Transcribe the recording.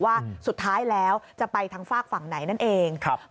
ว่าสุดท้ายแล้วจะไปทางฝากฝั่งไหนนั่นเองครับ